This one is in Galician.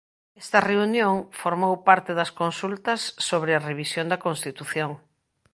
Esta reunión formou parte das consultas sobre a revisión da Constitución.